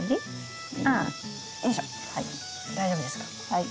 はい。